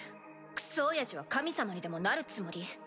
クソおやじは神様にでもなるつもり？